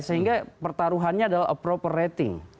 sehingga pertaruhannya adalah approval rating